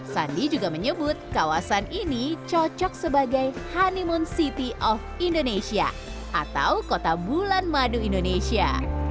sandi juga menyebut kawasan ini cocok sebagai honeymoon city of indonesia atau kota bulan madu indonesia